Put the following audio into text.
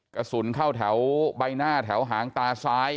กระสุนเข้าแถวใบหน้าแถวหางตาซ้าย